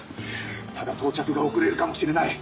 ただ到着が遅れるかもしれない。